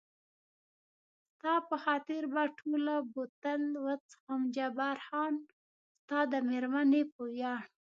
ستا په خاطر به ټوله بوتل وڅښم، جبار خان ستا د مېرمنې په ویاړ.